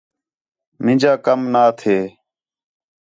مینجا کَم نہ تھے